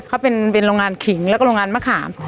เขาเป็นโรงงานขิงแล้วก็โรงงานมะขาม